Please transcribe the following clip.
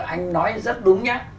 anh nói rất đúng nhé